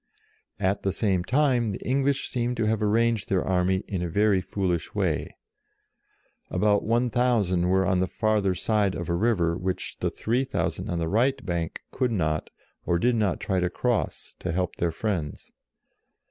At the same time the English seem to have arranged their army in a very foolish way. About looo were on the farther side of a river which the 3000 on the right bank could not, or did not try to cross, to help their friends.